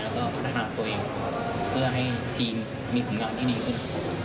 แล้วก็พัฒนาตัวเองเพื่อให้ทีมมีผลงานได้ดีขึ้น